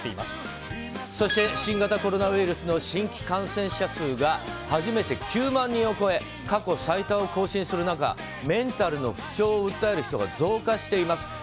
とそして、新型コロナウイルスの新規感染者数が初めて９万人を超え過去最多を更新する中メンタルの不調を訴える人が増加しています。